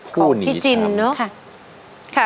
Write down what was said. ของพี่จินเนอะ